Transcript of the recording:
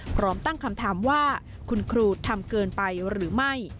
พร้อมตั้งคำถามว่าคุณครูทำเกินไปหรือไม่